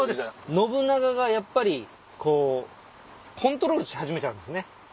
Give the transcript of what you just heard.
信長がやっぱりこうコントロールし始めちゃうんですね